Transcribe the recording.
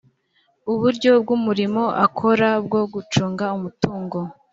uburyo bw’umurimo akora bwo gucunga umutungo